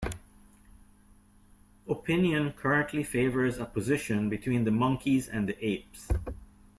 Opinion currently favors a position between the monkeys and the apes.